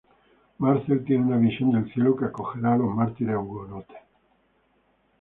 Marcel tiene una visión del cielo que acogerá a los mártires hugonotes.